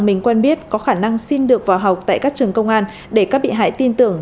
mình quen biết có khả năng xin được vào học tại các trường công an để các bị hại tin tưởng